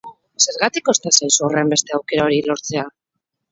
Zergaitik kosta zaizu horrenbeste aukera hori lortzea?